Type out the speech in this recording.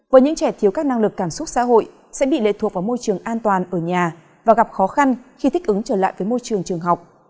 với những trẻ thiếu các năng lực cảm xúc xã hội sẽ bị lệ thuộc vào môi trường an toàn ở nhà và gặp khó khăn khi thích ứng trở lại với môi trường trường học